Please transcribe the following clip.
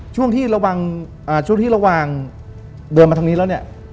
ช่วงที่ระวังเดินมาทางนี้แล้ว